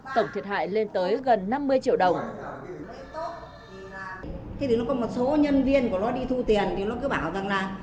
tại lên tới gần năm mươi triệu đồng